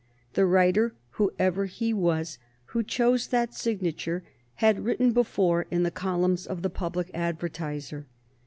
The writer, whoever he was, who chose that signature had written before in the columns of the Public Advertiser.